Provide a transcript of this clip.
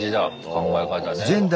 考え方ね。